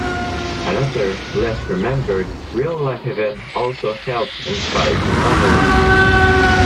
Another, less-remembered, real-life event also helped inspire the novel.